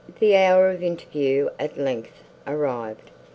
The hour of interview, at length, arrived.